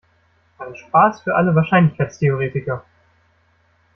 Ein Spaß für alle Wahrscheinlichkeitstheoretiker.